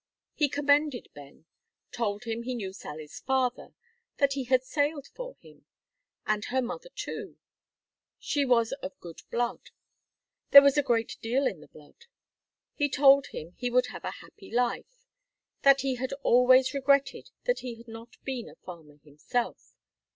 He commended Ben; told him he knew Sally's father (that he had sailed for him), and her mother, too; she was of good blood; there was a great deal in the blood. He told him he would have a happy life; that he had always regretted he had not been a farmer himself.